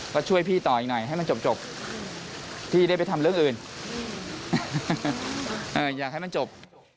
ก็ช่วยพี่ต่ออีกหน่อยให้มันจบพี่ได้ไปทำเรื่องอื่นอยากให้มันจบ